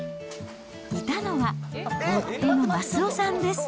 いたのは、夫の益男さんです。